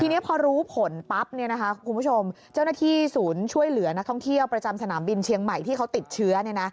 ทีนี้พอรู้ผลปั๊บคุณผู้ชมเจ้าหน้าที่ศูนย์ช่วยเหลือนักท่องเที่ยวประจำสนามบินเชียงใหม่ที่เขาติดเชื้อ